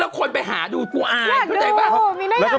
เป็นการกระตุ้นการไหลเวียนของเลือด